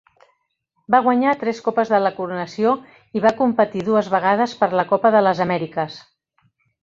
Va guanyar tres Copes de la Coronació i va competir dues vegades per la Copa de les Amèriques.